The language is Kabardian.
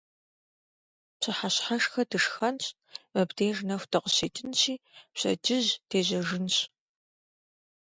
Пщыхьэщхьэшхэ дышхэнщ, мыбдеж нэху дыкъыщекӀынщи, пщэдджыжь дежьэжынщ .